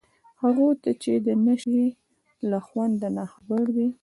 هغو ته چي د نشې له خونده ناخبر دي